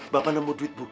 bapak nemu duit bu